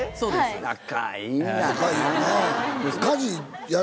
仲いいな！